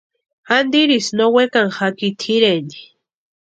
Antirisï no wekani jaki tʼireni.